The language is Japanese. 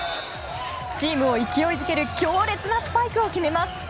チームを勢いづける強烈なスパイクを決めます。